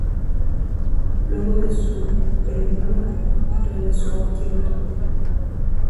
Luego de su periplo, regresó a Kioto.